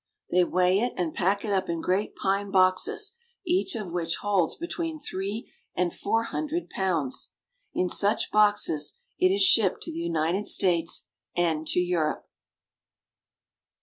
They weigh it and pack it up in great pine boxes, each of which holds between three and four hundred pounds. In such boxes it is shipped to the United States and to Europe.